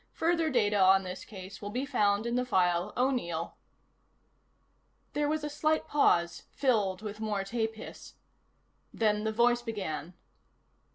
Further data on this case will be found in the file O'Neill." There was a slight pause, filled with more tape hiss. Then the voice began.